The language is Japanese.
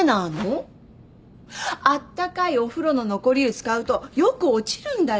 あったかいお風呂の残り湯使うとよく落ちるんだよ。